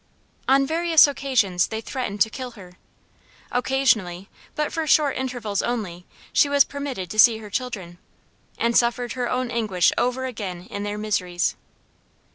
On various occasions they threatened to kill her. Occasionally, but for short intervals only, she was permitted to see her children, and suffered her own anguish over again in their miseries.